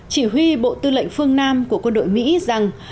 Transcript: chỉ huy bộ tư lệnh phương nam của quân đội mỹ rằng